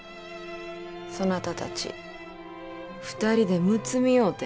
そなたたち２人でむつみ合うてみよ。